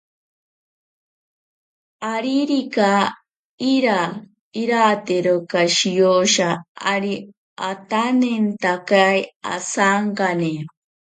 Aririka iira iratero kashiyosa ari atanentakei asankane.